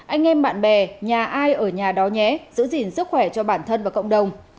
anh em bạn bè nhà ai ở nhà đó nhé giữ gìn sức khỏe cho bản thân và cộng đồng